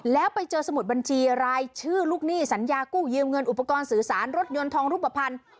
แล้วไปเจอสมุดบัญชีรายชื่อลูกหนี้สัญญากู้ยืมเงินอุปกรณ์สื่อสารรถยนต์ทองรูปภัณฑ์